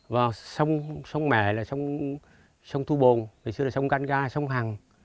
và sông mẹ là sông thu bồn ngày xưa là sông canh ga sông hằng